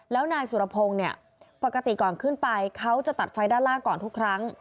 แล้วนายสุรพงศ์เนี่ยปกติก่อนขึ้นไปเขาจะตัดไฟด้านล่างก่อนทุกครั้ง